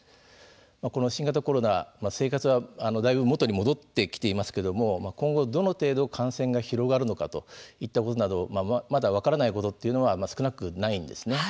この新型コロナ、生活はだいぶ元に戻ってきていますけれども今後どの程度感染が広がるのかなどまだ分からないことというのは少なくないんです。